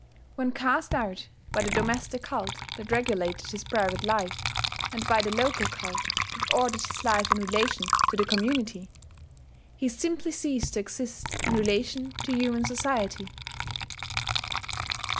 When cast out by the domestic cult that regulated his private life, and by the local cult that ordered his life in relation to the community, he simply ceased to exist in relation to human society.